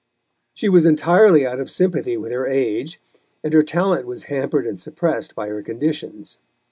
She was entirely out of sympathy with her age, and her talent was hampered and suppressed by her conditions.